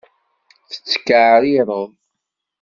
Tettkaɛrireḍ?